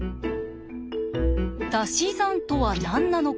「たし算」とは何なのか？